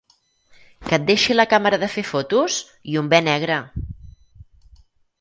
Que et deixi la càmera de fer fotos? I un be negre!